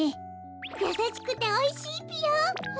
やさしくておいしいぴよ。